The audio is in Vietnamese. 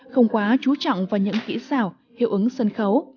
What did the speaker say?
không quá chú trọng vào những kỹ xảo hiệu ứng sân khấu